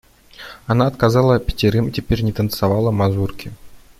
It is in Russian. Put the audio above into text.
Она отказала пятерым и теперь не танцовала мазурки.